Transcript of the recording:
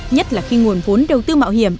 nhất là khi nguồn vốn đầu tư mạo hiểm